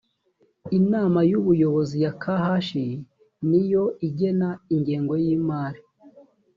inama y’ubuyobozi ya khi ni yo igena ingengo y’imari